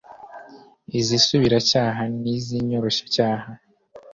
iz isubiracyaha n iz inyoroshyacyaha